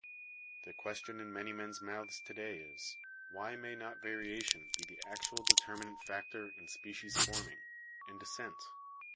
The question in many men's mouths to day is, Why may not variation be the actual determinant factor in species forming, in descent?